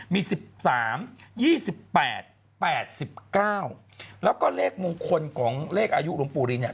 มี๑๓๒๘๘๙แล้วก็เลขมงคลของเลขอายุหลวงปู่รีเนี่ย